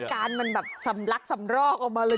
การมันแบบสำลักสำรอกออกมาเลย